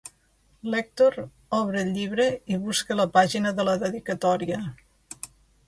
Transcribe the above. L'Èctor obre el llibre i busca la pàgina de la dedicatòria.